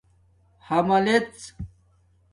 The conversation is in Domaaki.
حَملژ